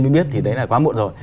mới biết thì đấy là quá muộn rồi